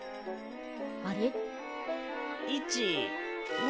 あれ？